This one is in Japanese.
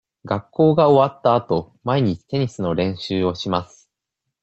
学校が終わったあと、毎日テニスの練習をします。